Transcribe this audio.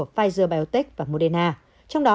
pfizer biontech và moderna trong đó